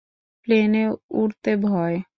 প্লেনে উড়তে ভয়?